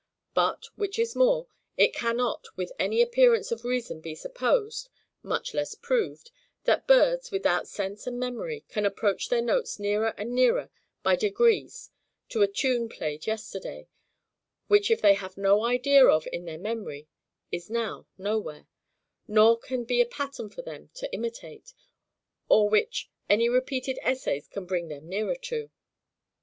But, which is more, it cannot with any appearance of reason be supposed (much less proved) that birds, without sense and memory, can approach their notes nearer and nearer by degrees to a tune played yesterday; which if they have no idea of in their memory, is now nowhere, nor can be a pattern for them to imitate, or which any repeated essays can bring them nearer to.